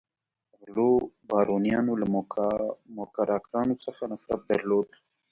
غلو بارونیانو له موکراکرانو څخه نفرت درلود.